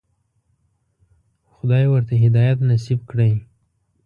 خدای ورته هدایت نصیب کړی.